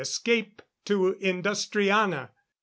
Escape to Industriana!"